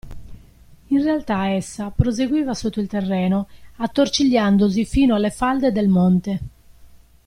In realtà, essa proseguiva sotto il terreno, attorcigliandosi fino alle falde del monte.